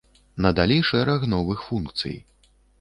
Надалі шэраг новых функцый.